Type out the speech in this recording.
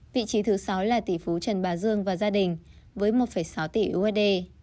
vị trí thứ sáu là tỷ phú trần bà dương và gia đình với một sáu tỷ usd